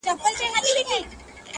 بس ده د خداى لپاره زړه مي مه خوره،